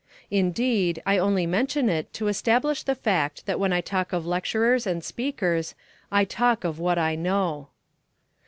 Indeed, I only mention it to establish the fact that when I talk of lecturers and speakers, I talk of what I know.